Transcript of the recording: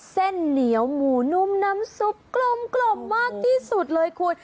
เส้นเหนียวหมูนุ่มน้ำซุปกลมมากที่สุดเลยคุณ